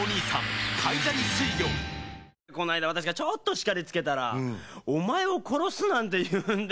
この間私がちょっと叱りつけたら「お前を殺す」なんて言うんですよ。